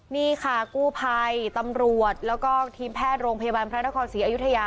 นี่ค่ะกู้ภัยตำรวจแล้วก็ทีมแพทย์โรงพยาบาลพระนครศรีอยุธยา